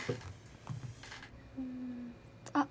うんあっ